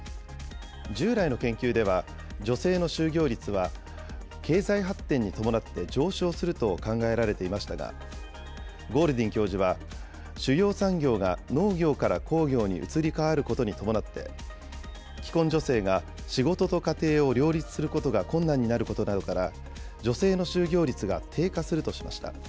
従来の研究では、女性の就業率は経済発展に伴って上昇すると考えられていましたが、ゴールディン教授は、主要産業が農業から工業に移り変わることに伴って、既婚女性が仕事と家庭を両立することが困難になることなどから、女性の就業率が低下するとしました。